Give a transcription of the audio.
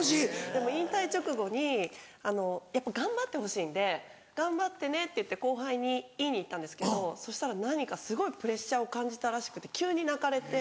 でも引退直後にやっぱ頑張ってほしいんで「頑張ってね」って言って後輩に言いに行ったんですけどそしたら何人かすごいプレッシャーを感じたらしくて急に泣かれて。